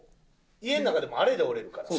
家の中であれでおれるから。